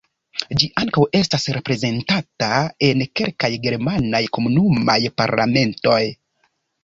Ĝi ankaŭ estas reprezentata en kelkaj germanaj komunumaj parlamentoj.